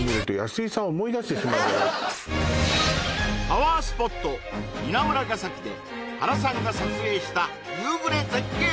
パワースポット稲村ヶ崎で原さんが撮影した夕暮れ絶景